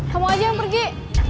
kamu aja yang pergi